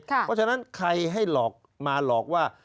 เพราะฉะนั้นใครให้หลอกมาหลอกว่า